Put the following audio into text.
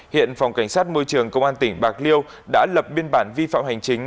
hiện phòng cảnh sát môi trường công an tỉnh bạc liêu đã lập biên bản vi phạm hành chính